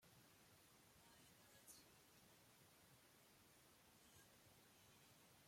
这一事件激起了众怒。